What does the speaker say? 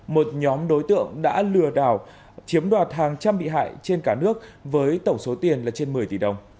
một nhóm đối tượng đã lừa đảo chiếm đoạt hàng trăm bị hại trên cả nước với tổng số tiền là trên một mươi tỷ đồng